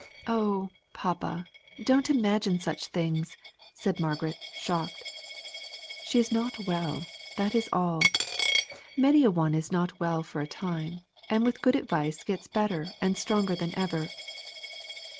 "Oh, papa! don't imagine such things," said Margaret, shocked. "She is not well, that is all. Many a one is not well for a time; and with good advice gets better and stronger than ever."